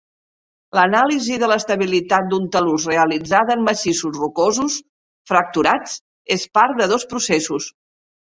L'anàlisi de l'estabilitat d'un talús realitzada en massissos rocosos fracturats, és part de dos processos.